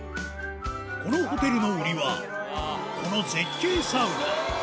このホテルの売りは、この絶景サウナ。